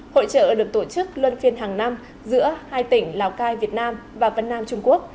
hội trợ được tổ chức luân phiên hàng năm giữa hai tỉnh lào cai việt nam và vân nam trung quốc